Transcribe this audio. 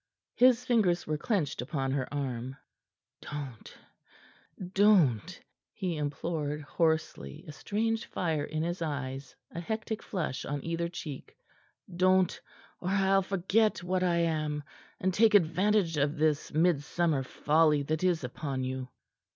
His fingers were clenched upon her arm. "Don't don't!" he implored hoarsely, a strange fire in his eyes, a hectic flush on either cheek. "Don't! Or I'll forget what I am, and take advantage of this midsummer folly that is upon you."